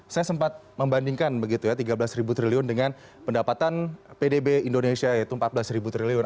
saya sempat membandingkan begitu ya tiga belas triliun dengan pendapatan pdb indonesia yaitu empat belas triliun